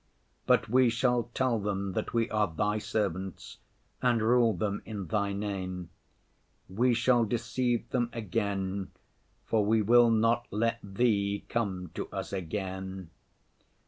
But we shall tell them that we are Thy servants and rule them in Thy name. We shall deceive them again, for we will not let Thee come to us again.